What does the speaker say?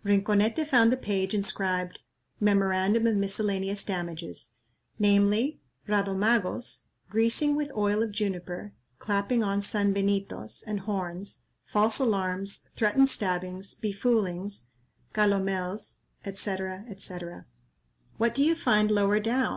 '" Rinconete found the page inscribed "Memorandum of miscellaneous damages," namely, Radomagos, greasing with oil of juniper, clapping on sanbenitos and horns, false alarms, threatened stabbings, befoolings, calomels, &c. &c. "What do you find lower down?"